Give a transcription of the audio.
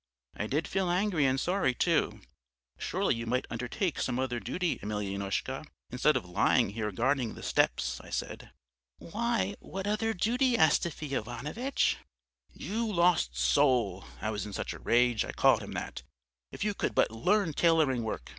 "I did feel angry and sorry too. "'Surely you might undertake some other duty, Emelyanoushka, instead of lying here guarding the steps,' I said. "'Why, what other duty, Astafy Ivanovitch?' "'You lost soul' I was in such a rage, I called him that 'if you could but learn tailoring work!